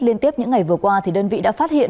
liên tiếp những ngày vừa qua thì đơn vị đã phát hiện